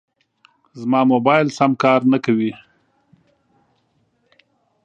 زما موبایل سم کار نه کوي.